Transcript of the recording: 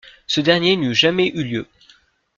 Ce dernier n'eut jamais eu lieu.